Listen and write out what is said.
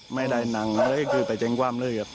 ไม่ได้หนังเลยคือไปแจ้งความเลยครับ